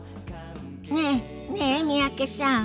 ねえねえ三宅さん。